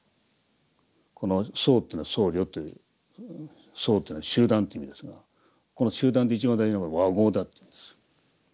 この「僧」というのは僧侶という僧というのは集団という意味ですがこの集団で一番大事なことは和合だって言うんです。